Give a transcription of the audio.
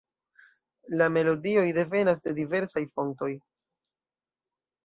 La melodioj devenas de diversaj fontoj.